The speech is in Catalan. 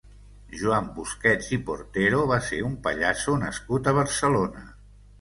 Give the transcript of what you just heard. Joan Busquets i Portero va ser un pallasso nascut a Barcelona.